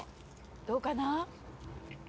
どうかな？